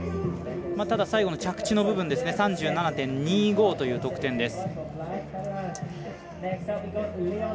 ただ最後の着地の部分３７．２５という得点です。